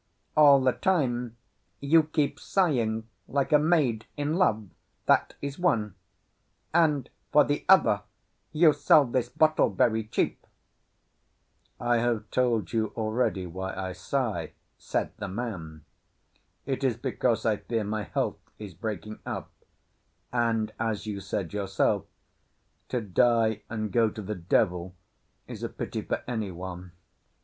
"All the time you keep sighing like a maid in love, that is one; and, for the other, you sell this bottle very cheap." "I have told you already why I sigh," said the man. "It is because I fear my health is breaking up; and, as you said yourself, to die and go to the devil is a pity for anyone.